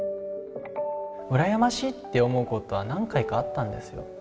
うらやましいって思うことは何回かあったんですよ。